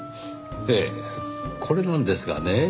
ええこれなんですがね。